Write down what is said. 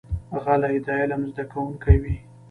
غلی، د علم زده کوونکی وي.